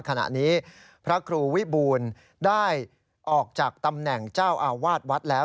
ขณะนี้พระครูวิบูลได้ออกจากตำแหน่งเจ้าอาวาสวัดแล้ว